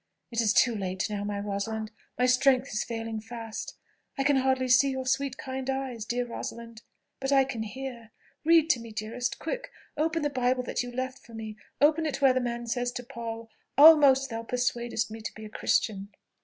"It is too late now, my Rosalind! My strength is failing fast. I can hardly see your sweet kind eyes, dear Rosalind! but I can hear. Read to me, dearest; quick, open the Bible that you left for me: open it where the man says to Paul, 'Almost thou persuadest me to be a Christian.'"